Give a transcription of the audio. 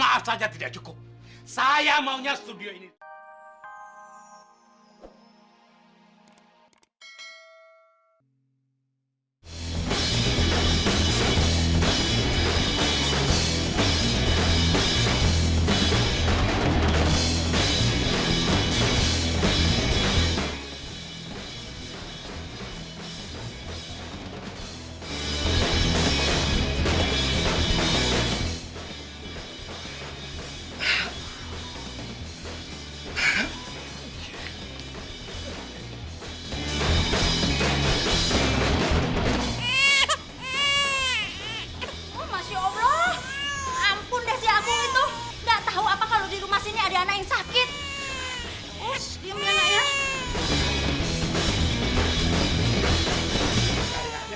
us diam ya anaknya